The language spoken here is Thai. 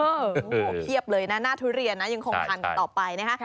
โอ้โหเพียบเลยนะหน้าทุเรียนนะยังคงทานกันต่อไปนะคะ